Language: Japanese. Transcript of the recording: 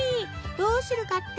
どうするかって？